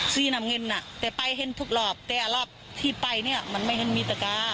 สีน้ำเงินน่ะแต่ไปเห็นทุกรอบแต่รอบที่ไปเนี่ยมันไม่เห็นมีตะกา